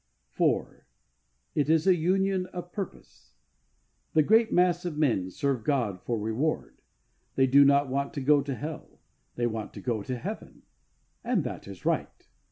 IV. It is a Union of Purpose. The great mass of men serve God for reward ; they do not want to go to hell ; they want to go to heaven. And that is right.